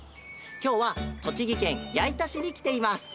きょうはとちぎけんやいたしにきています。